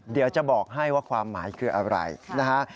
เดี๋ยวจะบอกให้ว่าความหมายคืออะไรนะฮะ